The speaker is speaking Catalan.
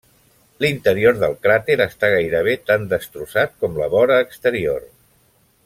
L'interior del cràter està gairebé tan destrossat com la vora exterior.